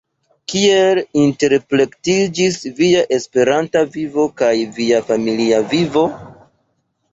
Kiel interplektiĝis via Esperanta vivo kaj via familia vivo?